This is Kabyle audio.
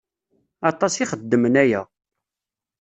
Aṭas i xeddmen aya.